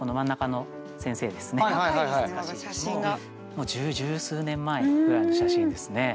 もう十数年前ぐらいの写真ですね。